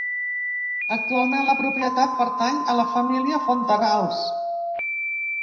Actualment la propietat pertany a la família Fontanals.